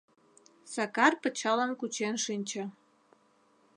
Сакар пычалым кучен шинче.